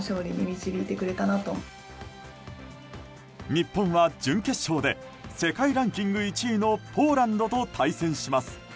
日本は準決勝で世界ランキング１位のポーランドと対戦します。